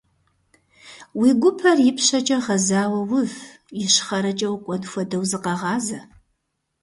Уи гупэр ипщэкӀэ гъэзауэ ув, ищхъэрэкӀэ укӀуэн хуэдэу зыкъэгъазэ.